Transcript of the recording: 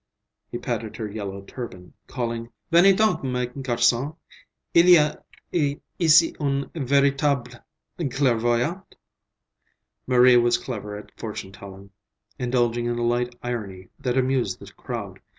He patted her yellow turban, calling, "Venez donc, mes garçons! Il y a ici une véritable clairvoyante!" Marie was clever at fortune telling, indulging in a light irony that amused the crowd.